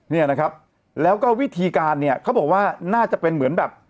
เนี่ยนะครับแล้วก็วิธีการเนี่ยเขาบอกว่าน่าจะเป็นเหมือนแบบ